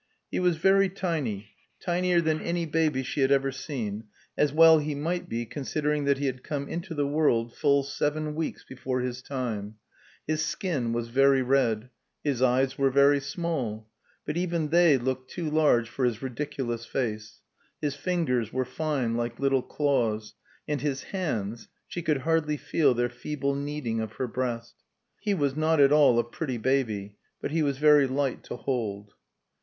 He was very tiny, tinier than any baby she had ever seen, as well he might be considering that he had come into the world full seven weeks before his time; his skin was very red; his eyes were very small, but even they looked too large for his ridiculous face; his fingers were fine, like little claws; and his hands she could hardly feel their feeble kneading of her breast. He was not at all a pretty baby, but he was very light to hold.